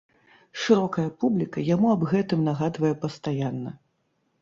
Шырокая публіка яму аб гэтым нагадвае пастаянна.